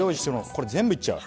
これ全部いっちゃう？